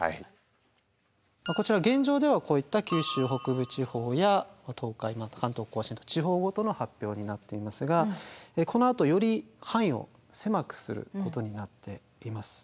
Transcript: こちら現状ではこういった九州北部地方や東海また関東甲信と地方ごとの発表になっていますがこのあとより範囲を狭くすることになっています。